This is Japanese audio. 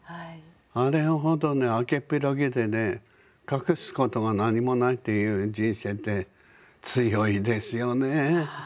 あれほどね開けっ広げでね隠すことが何もないっていう人生って強いですよね。